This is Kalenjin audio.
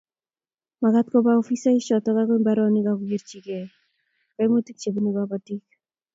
Magat koba afisaechoto agoi mbaronik agokerchikei koimutik chebunei kobotik